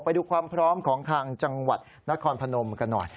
ไปดูความพร้อมของทางจังหวัดนครพนมกันหน่อย